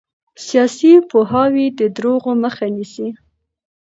سیاسي پوهاوی د دروغو مخه نیسي